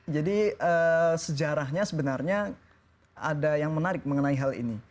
sejarahnya sebenarnya ada yang menarik mengenai hal ini